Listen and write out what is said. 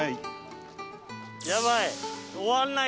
やばい。